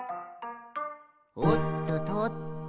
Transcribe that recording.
「おっととっと」